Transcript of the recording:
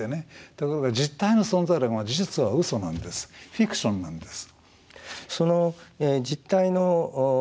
ところが「実体の存在論」は事実は嘘なんですフィクションなんです。